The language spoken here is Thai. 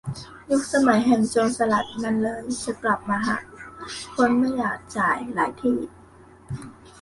ยุคสมัยแห่งโจรสลัดมันเลยจะกลับมาฮะ คนไม่อยากจ่ายหลายที่